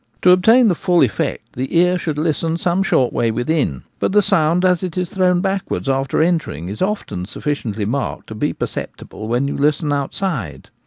To obtain the full effect the ear should listen some short way within ; but the sound, as it is thrown backwards after entering, is often sufficiently marked to be per ceptible when you listen outside.